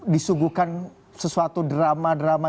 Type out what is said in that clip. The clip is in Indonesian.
disuguhkan sesuatu drama drama